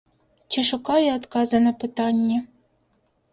Ці шукае адказы на пытанні.